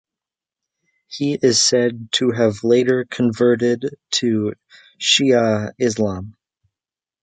He is said to have later converted to Shia Islam.